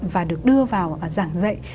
và được đưa vào và giảng dạy